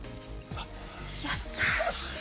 優しい！